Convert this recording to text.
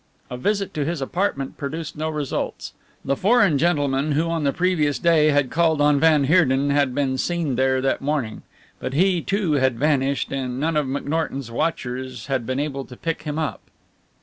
A visit to his apartment produced no results. The "foreign gentleman" who on the previous day had called on van Heerden had been seen there that morning, but he, too, had vanished, and none of McNorton's watchers had been able to pick him up.